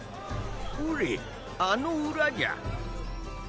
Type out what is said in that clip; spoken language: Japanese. ほれあの裏じゃ。